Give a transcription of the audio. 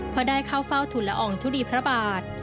พอได้เข้าเฝ้าถุละอ่องทุรีพระบาท